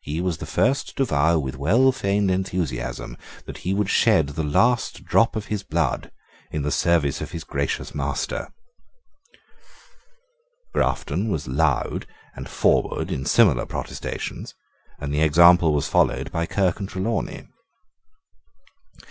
He was the first to vow with well feigned enthusiasm that he would shed the last drop of his blood in the service of his gracious master: Grafton was loud and forward in similar protestations; and the example was followed by Kirke and Trelawney.